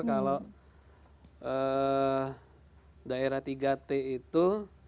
kalau daerah tiga t itu